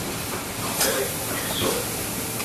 велику и високу